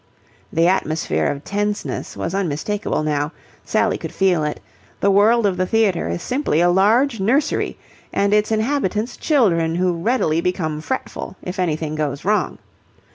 The atmosphere of tenseness was unmistakable now. Sally could feel it. The world of the theatre is simply a large nursery and its inhabitants children who readily become fretful if anything goes wrong.